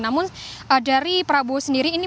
namun dari prabowo sendiri ini